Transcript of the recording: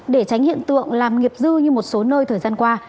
để tránh hiện tượng làm nghiệp dư như một số nơi thời gian qua